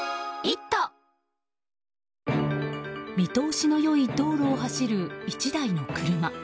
見通しの良い道路を走る１台の車。